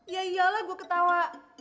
ya iyalah gue ketawa